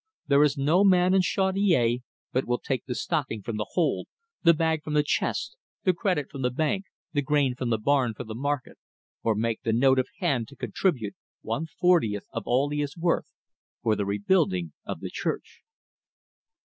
"There is no man in Chaudiere but will take the stocking from the hole, the bag from the chest, the credit from the bank, the grain from the barn for the market, or make the note of hand to contribute one fortieth of all he is worth for the rebuilding of the church."